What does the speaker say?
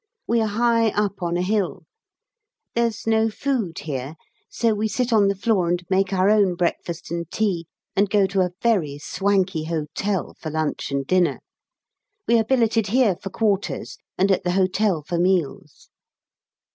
We are high up on a hill. There's no food here, so we sit on the floor and make our own breakfast and tea, and go to a very swanky hotel for lunch and dinner. We are billeted here for quarters, and at the hotel for meals.